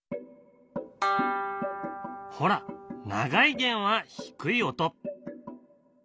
ほら長い弦は低い音。